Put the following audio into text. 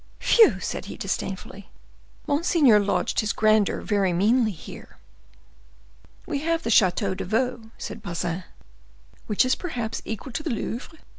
"Phew!" said he, disdainfully, "monseigneur lodged his grandeur very meanly here." "We have the Chateau de Vaux," said Bazin. "Which is perhaps equal to the Louvre?"